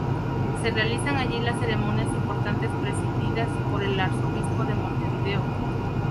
Se realizan allí las ceremonias importantes presididas por el Arzobispo de Montevideo.